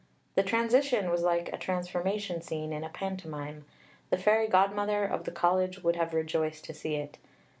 The transition was like a transformation scene in a pantomime. The Fairy Godmother of the College would have rejoiced to see it.